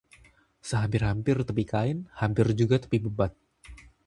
Sehampir-hampir tepi kain, hampir juga tepi bebat